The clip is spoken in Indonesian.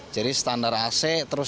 jadi standar ac